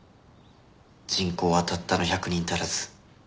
人口はたったの１００人足らず。